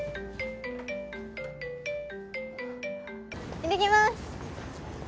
行ってきます